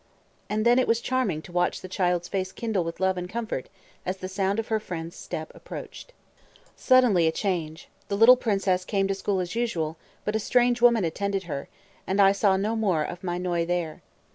And then it was charming to watch the child's face kindle with love and comfort as the sound of her friend's step approached. Suddenly a change; the little princess came to school as usual, but a strange woman attended her, and I saw no more of Mai Noie there.